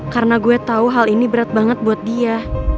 karena gue tau hal ini berat banget buat dia